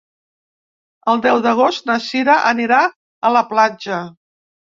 El deu d'agost na Sira anirà a la platja.